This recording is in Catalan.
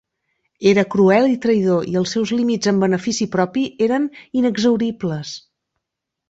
Era cruel i traïdor, i els seus límits en benefici propi eren inexhauribles.